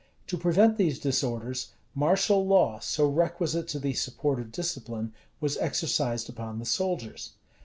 To prevent these disorders, martial law, so requisite to the support of discipline, was exercised upon the soldiers.